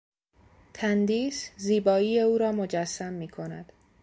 تندیس، زیبایی او را مجسم میکند.